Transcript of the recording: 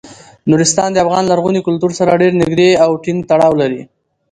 نورستان د افغان لرغوني کلتور سره ډیر نږدې او ټینګ تړاو لري.